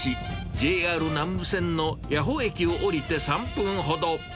ＪＲ南武線の谷保駅を降りて３分ほど。